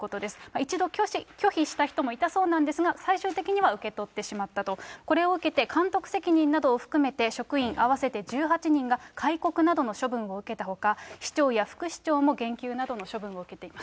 一度拒否した人もいたそうなんですが、最終的には受け取ってしまったと、これを受けて、監督責任などを含めて、職員合わせて１８人が戒告などの処分を受けたほか、市長や副市長も減給などの処分を受けています。